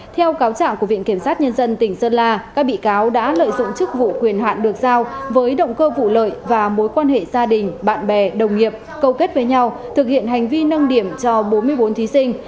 theo cáo trạng của viện kiểm sát nhân dân tỉnh sơn la các bị cáo đã lợi dụng chức vụ quyền hạn được giao với động cơ vụ lợi và mối quan hệ gia đình bạn bè đồng nghiệp cầu kết với nhau thực hiện hành vi nâng điểm cho bốn mươi bốn thí sinh